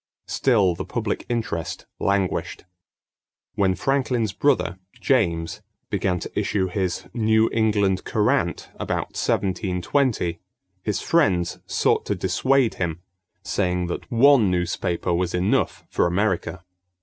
Still the public interest languished. When Franklin's brother, James, began to issue his New England Courant about 1720, his friends sought to dissuade him, saying that one newspaper was enough for America.